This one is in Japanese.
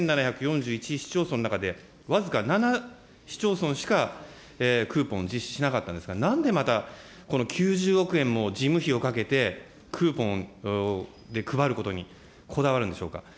市町村の中で、僅か７市町村しかクーポン実施しなかったんですが、なんでまた、この９０億円も事務費をかけて、クーポンで配ることにこだわるんでしょうか。